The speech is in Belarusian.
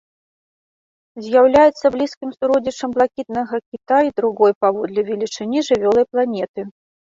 З'яўляецца блізкім суродзічам блакітнага кіта і другой паводле велічыні жывёлай планеты.